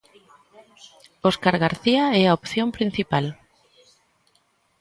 Óscar García é a opción principal.